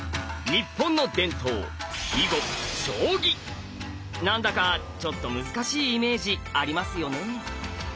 日本の伝統何だかちょっと難しいイメージありますよね。